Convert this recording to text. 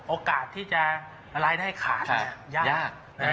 โอกาสที่จะรายได้ขาดยาก